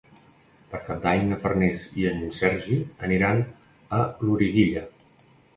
Per Cap d'Any na Farners i en Sergi aniran a Loriguilla.